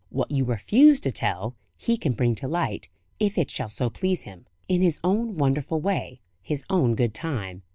What you refuse to tell, He can bring to light, if it shall so please Him, in His own wonderful way, His own good time.